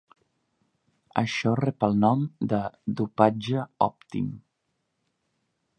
Això rep el nom de "dopatge òptim".